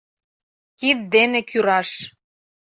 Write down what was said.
Кид дене кӱраш...